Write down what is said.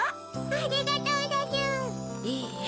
ありがとうでちゅ！